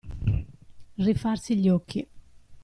Rifarsi gli occhi.